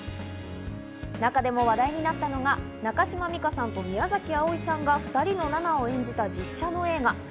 中でも話題になったのが中島美嘉さんと宮崎あおいさんが２人のＮＡＮＡを演じた実写の映画。